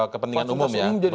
ke pendingan umum ya